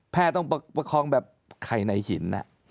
ต้องประคองแบบไข่ในหิน